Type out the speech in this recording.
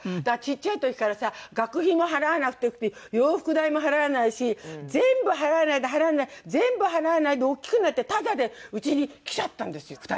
だからちっちゃい時からさ学費も払わなくてよくて洋服代も払わないし全部払わないで払わない全部払わないで大きくなってタダでうちに来ちゃったんですよ